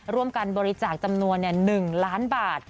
ร่วมกันบริจาคจำนวน๑ล้านบาท